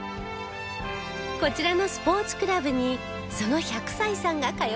こちらのスポーツクラブにその１００歳さんが通っているのだそう